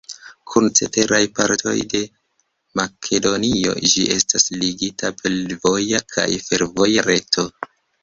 Kun ceteraj partoj de Makedonio ĝi estas ligita per voja kaj fervoja reto.